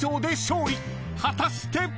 ［果たして！？］